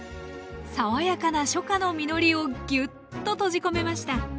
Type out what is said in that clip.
爽やかな初夏の実りをぎゅっと閉じ込めました。